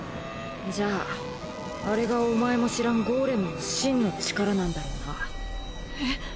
じゃああれがお前も知らんゴーレムの真の力なんだろうな。えっ？